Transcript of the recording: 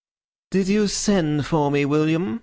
"Did you send for me, William?"